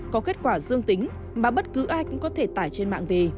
có kết quả dương tính mà bất cứ ai cũng có thể tải trên mạng về